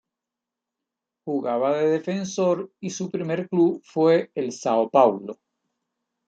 Jugaba de defensor y su primer club fue el São Paulo.